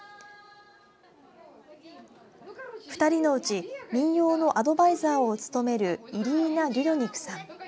２人のうち民謡のアドバイザーを務めるイリーナ・ドゥドニクさん。